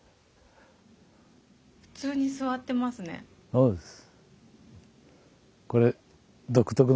そうです。